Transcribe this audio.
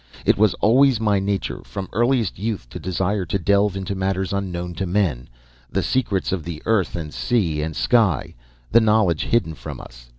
It was always my nature, from earliest youth, to desire to delve into matters unknown to men; the secrets of the earth and sea and sky, the knowledge hidden from us.